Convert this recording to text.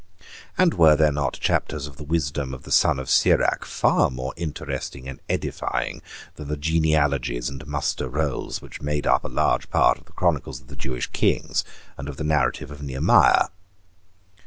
And were there not chapters of the Wisdom of the Son of Sirach far more interesting and edifying than the genealogies and muster rolls which made up a large part of the Chronicles of the Jewish Kings and of the narrative of Nehemiah?